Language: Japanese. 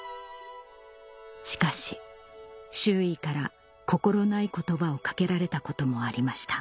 しかし周囲から心ない言葉を掛けられたこともありました